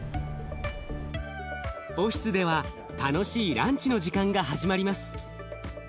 オフィスでは楽しいランチの時間が始まります。